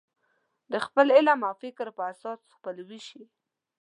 د خپل علم او فکر په اساس خپلولی شي.